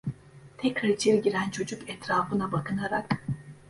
Tekrar içeri giren çocuk etrafına bakınarak…